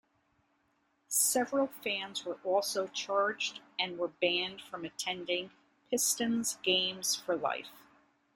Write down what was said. Several fans were also charged and were banned from attending Pistons games for life.